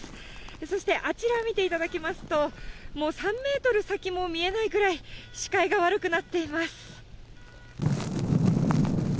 そしてあちら見ていただきますと、もう３メートル先も見えないぐらい、視界が悪くなっています。